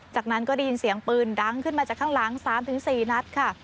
จากนั้นก็ได้ยินเสียงปืนดังขึ้นมาจากข้างหลัง๓๔นัดค่ะ